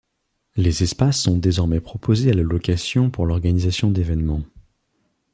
Les espaces sont désormais proposés à la location pour l'organisation d'événements.